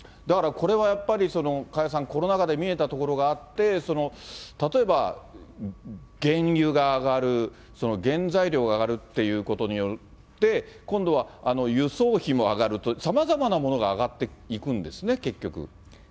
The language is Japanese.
だからこれはやっぱりその加谷さん、コロナ禍で見えたところがあって、その例えば原油が上がる、その原材料が上がるっていうことによって、今度は輸送費も上がると、さまざまなものが上がっていくんですね、結局。